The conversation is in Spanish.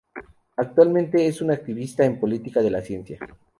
Actualmente es un activista en política de la ciencia.